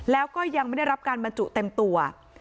แล้วก็ยังไม่ได้รับการบรรจุเต็มตัว